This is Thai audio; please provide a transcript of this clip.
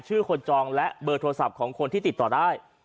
คนจองและเบอร์โทรศัพท์ของคนที่ติดต่อได้